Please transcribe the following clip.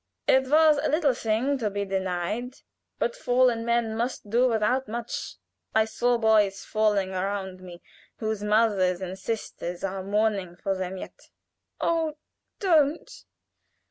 "It was a little thing to be denied, but fallen men must do without much. I saw boys falling around me, whose mothers and sisters are mourning for them yet." "Oh, don't."